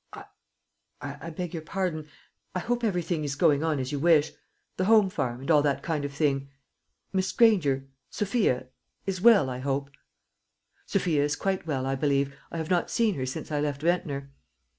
"I I beg your pardon. I hope everything is going on as you wish; the home farm, and all that kind of thing. Miss Granger Sophia is well, I hope?" "Sophia is quite well, I believe. I have not seen her since I left Ventnor."